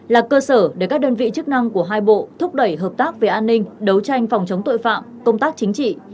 là cơ sở để các đơn vị chức năng của hai bộ thúc đẩy hợp tác về an ninh đấu tranh phòng chống tội phạm công tác chính trị